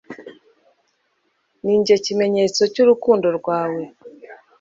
Ninjye kimenyetso cy’urukundo rwawe